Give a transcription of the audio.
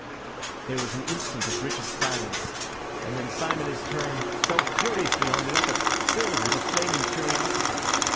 There was an instant of rigid silence, and then Syme in his turn fell furiously on the other, filled with a flaming curiosity.